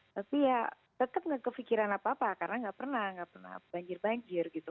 tapi ya tetap enggak kepikiran apa apa karena enggak pernah enggak pernah banjir banjir gitu